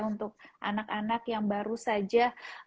untuk anak anak yang baru saja